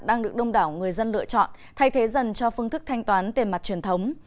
đang được đông đảo người dân lựa chọn thay thế dần cho phương thức thanh toán tiền mặt truyền thống